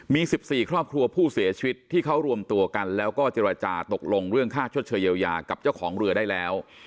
มี๑๔ครอบครัวผู้เสียชีวิตที่เขารวมตัวกันแล้วก็เจรจาตกลงเรื่องค่าชดเชยเยียวยากับเจ้าของเรือได้แล้ว